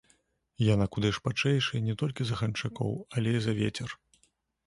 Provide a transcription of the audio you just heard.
Яна куды шпарчэйшая не толькі за ганчакоў, але і за вецер.